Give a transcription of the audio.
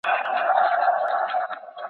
جنګونه یوازې غمونه زیږوي.